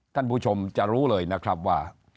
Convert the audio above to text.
ท่านผู้ชมจะรู้เลยนะครับว่า